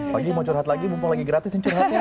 pagi mau curhat lagi mumpung lagi gratis nih curhatnya